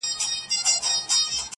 د ژوندیو په کورونو کي به غم وي-